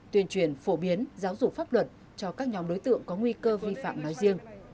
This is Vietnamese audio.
tuyên truyền phổ biến giáo dục pháp luật cho các nhóm đối tượng có nguy cơ vi phạm nói riêng